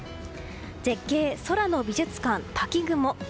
絶景ソラの美術館、滝雲。